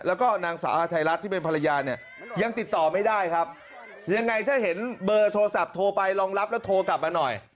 แล้วก็นางสาวอาทัยรัฐที่เป็นภรรยาเนี่ยยังติดต่อไม่ได้ครับยังไงถ้าเห็นเบอร์โทรศัพท์โทรไปรองรับแล้วโทรกลับมาหน่อย